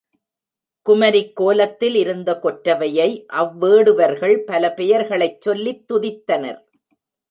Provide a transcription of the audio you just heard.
குமரிக் கோலத்தில் இருந்த கொற்றவையை அவ்வேடுவர்கள் பல பெயர்களைச் சொல்லித் துதித்தனர்.